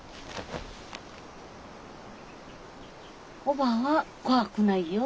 おばぁは怖くないよ。